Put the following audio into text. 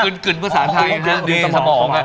กึ่งกึ่งภาษาไทยนะสมอง